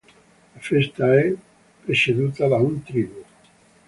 La festa è preceduta da un Triduo.